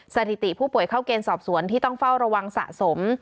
สถิติผู้ป่วยเข้าเกณฑ์สอบสวนที่ต้องเฝ้าระวังสะสม